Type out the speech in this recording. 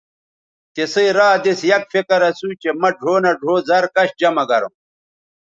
تِسئ را دِس یک فکر اسُو چہء مہ ڙھؤ نہ ڙھؤ زَر کش جمہ گروں